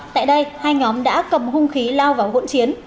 tại đây hai nhóm đã cầm hung khí lao vào hỗn chiến